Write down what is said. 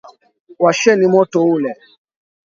Washeni moto ule.